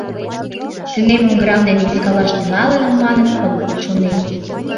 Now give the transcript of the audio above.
«Сынемым грамм дене вискалаш тӱҥалынам», — манын, Пагул шонен.